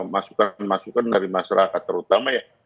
masukan masukan dari masyarakat terutama ya